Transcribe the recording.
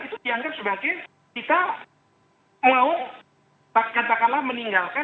itu dianggap sebagai kita mau takkan takkanlah meninggalkan